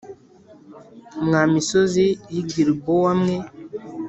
Mwa misozi y’i Gilibowa mwe